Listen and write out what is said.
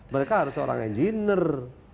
mereka harus seorang engineer